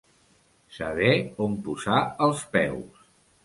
Saber on posar els peus.